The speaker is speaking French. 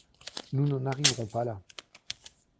Nous n’en arriverons pas là.